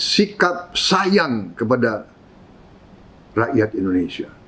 sikap sayang kepada rakyat indonesia